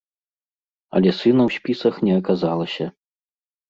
Але сына ў спісах не аказалася.